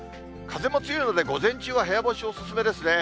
風も強いので午前中は部屋干しお勧めですね。